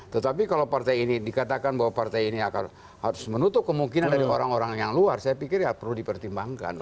tetapi kalau partai ini dikatakan bahwa partai ini harus menutup kemungkinan dari orang orang yang luar saya pikir ya perlu dipertimbangkan